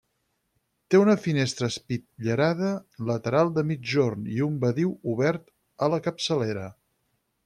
Té una finestra espitllerada lateral de migjorn i un badiu obert a la capçalera.